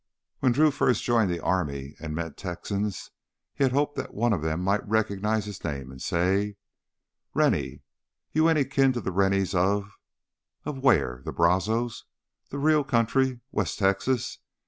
When Drew first joined the army and met Texans he had hoped that one of them might recognize his name and say: "Rennie? You any kin to the Rennies of " Of where? The Brazos, the Rio country, West Texas?